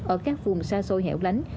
ở các vùng xa xôi hẻo lánh